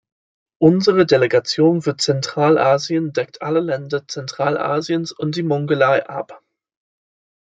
Unsere Delegation für Zentralasien deckt alle Länder Zentralasiens und die Mongolei ab.